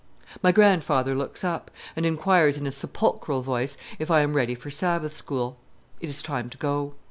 My grandfather looks up, and inquires in a sepulchral voice if I am ready for Sabbath school. It is time to go.